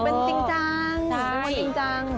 ไม่สนุกเป็นจริงจัง